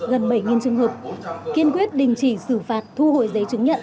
gần bảy trường hợp kiên quyết đình chỉ xử phạt thu hồi giấy chứng nhận